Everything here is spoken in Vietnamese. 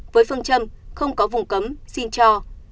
với phương châm không có vùng cấm xin cho